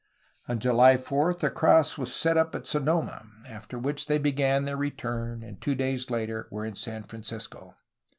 On July 4 a cross was set up at Sonoma, after which they began their return and two days later were in San Francisco.